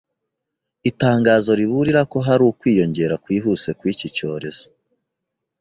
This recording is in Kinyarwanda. itangazo riburira ko hari ukwiyongera kwihuse kw'iki cyorezo